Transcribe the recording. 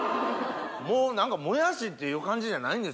もう何かもやしっていう感じじゃないんですよ。